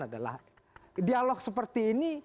adalah dialog seperti ini